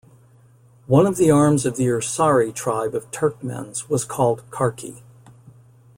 One of the arms of the "Ersari" tribe of Turkmens was called "Karki".